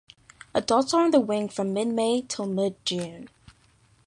Adults are on the wing from mid-May till mid-June.